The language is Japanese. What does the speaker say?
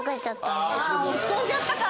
あ落ち込んじゃったか。